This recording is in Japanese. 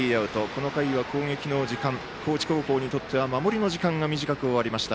この回は攻撃の時間高知高校にとっては守りの時間が短く終わりました。